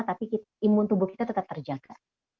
tapi imun tubuh kita tetap terjaga